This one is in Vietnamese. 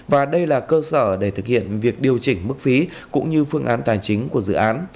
và đây là cơ sở để thực hiện việc điều chỉnh mức phí cũng như phương án tài chính của dự án